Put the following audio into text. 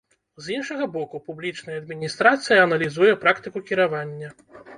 З іншага боку, публічная адміністрацыя аналізуе практыку кіравання.